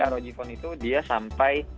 rog phone itu dia sampai